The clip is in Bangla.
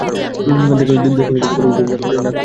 দেখো, কিছু না করতে চাইলে করো না।